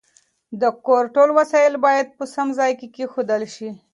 د کور ټول وسایل باید په سم ځای کې کېښودل شي.